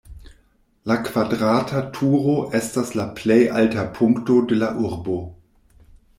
La kvadrata turo estas la plej alta punkto de la urbo.